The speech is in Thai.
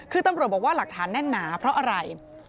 คือตำรวจบอกว่าหลักฐานแน่นหนาเพราะอะไร